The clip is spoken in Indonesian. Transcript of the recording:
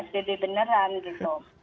psbb beneran gitu